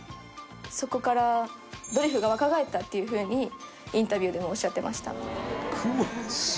そこからドリフが若返ったっていう風にインタビューでもおっしゃってました。